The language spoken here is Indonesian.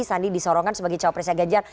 sandi disorongkan sebagai cowok presiden gajah